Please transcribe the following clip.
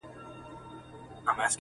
په ښراوو، په بد نوم او په ښکنځلو!.